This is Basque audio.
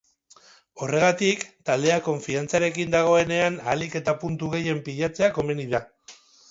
Horregatik, taldea konfiantzarekin dagoenean ahalik eta puntu gehien pilatzea komeni da.